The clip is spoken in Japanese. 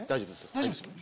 大丈夫です。